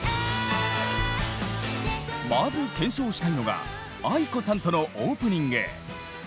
まず検証したいのがａｉｋｏさんとのオープニング。